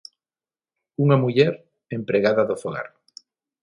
Unha muller, empregada do fogar.